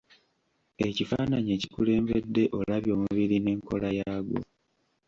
Ekifaananyi ekikulembedde olabye omubiri n'enkola yaagwo.